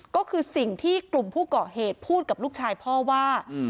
ก็คือสิ่งที่กลุ่มผู้ก่อเหตุพูดกับลูกชายพ่อว่า